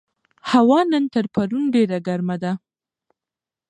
هوا نن تر پرون ډېره ګرمه ده.